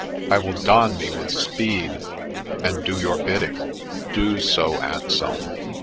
— I will don me with speed, and do your bidding.' ' Do so, Anselm